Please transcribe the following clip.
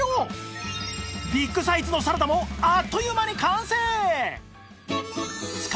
ビッグサイズのサラダもあっという間に完成！